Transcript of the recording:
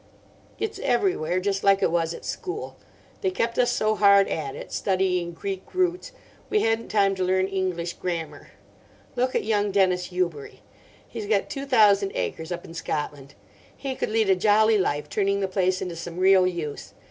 It's everywhere just like it was at school. They kept us so hard at it, studying Greek roots, we hadn't time to learn English grammar. Look at young Dennis Yewbury. He's got two thousand acres up in Scotland. He could lead a jolly life turning the place into some real use.